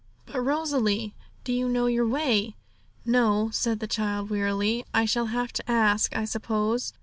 'But, Rosalie, do you know your way?' 'No,' said the child wearily; 'I shall have to ask, I suppose.